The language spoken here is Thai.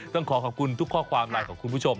ต้องขอขอบคุณทุกข้อความไลน์ของคุณผู้ชม